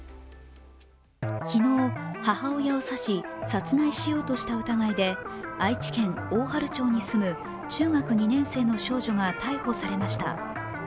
昨日、母親を刺し、殺害しようとした疑いで愛知県大治町に住む中学２年生の少女が逮捕されました。